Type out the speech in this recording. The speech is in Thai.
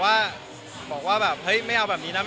อยากได้แบบไหนคะอยากขอเป็นแฟนค่ะ